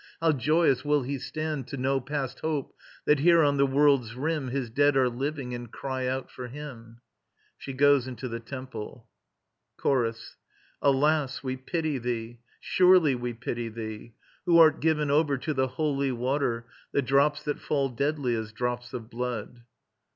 How joyous will he stand To know, past hope, that here on the world's rim His dead are living, and cry out for him! [She goes into the Temple.] CHORUS. Alas, we pity thee; surely we pity thee: [Strophe.] Who art given over to the holy water, The drops that fall deadly as drops of blood.